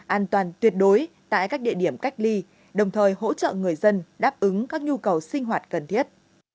an toàn tuyệt đối tại các địa điểm cách ly đồng thời hỗ trợ người dân đáp ứng các nhu cầu sinh hoạt cần thiết